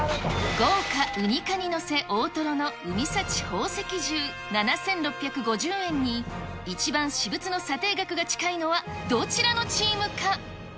豪華うに蟹のせ大トロの海幸宝石重７６５０円に、一番私物の査定額が近いのはどちらのチームか。